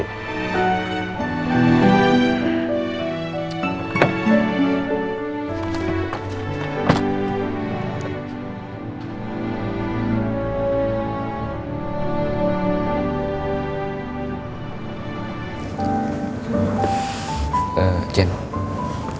aku mau partisain pala